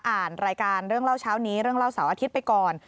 อ่านรายการเรื่องเล่าเช้านี้เรื่องเล่าเสาร์อาทิตย์ไปก่อน